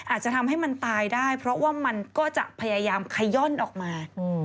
อาจจะทำให้มันตายได้เพราะว่ามันก็จะพยายามขย่อนออกมา